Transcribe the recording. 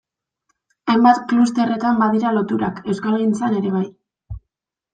Hainbat klusterretan badira loturak, euskalgintzan ere bai...